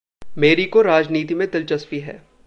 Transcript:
मेरी को राजनीति में दिलचस्पी है।